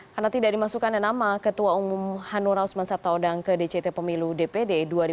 karena tidak dimasukkan nama ketua umum hanura usman sabtaodang ke dct pemilu dpd dua ribu sembilan belas